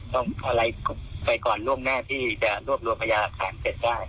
ต้องเอาอะไรไปก่อนร่วมหน้าที่จะรวบรวมมายาศภาพเก็บได้